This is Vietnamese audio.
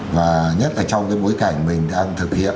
và nhất là trong cái bối cảnh mình đang thực hiện